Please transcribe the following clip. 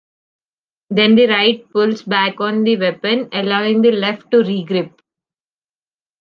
Then, the right pulls back on the weapon, allowing the left to re-grip.